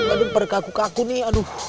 aduh pergaku kaku nih aduh